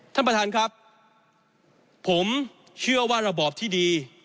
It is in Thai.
ท่านประธานครับผมเชื่อว่าระบอบที่ดี